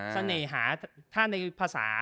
เสน่หาถ้าในภาษา